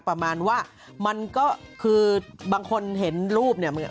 ประมาณว่ามันก็คือบางคนเห็นรูปเนี่ย